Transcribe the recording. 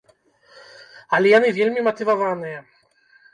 Але яны вельмі матываваныя.